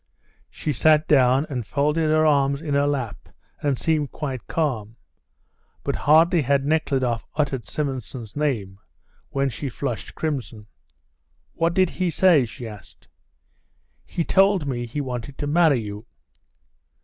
She sat down and folded her hands in her lap and seemed quite calm, but hardly had Nekhludoff uttered Simonson's name when she flushed crimson. "What did he say?" she asked. "He told me he wanted to marry you."